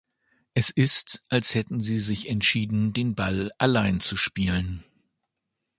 Es ist, als hätten sie sich entschieden, den Ball allein zu spielen".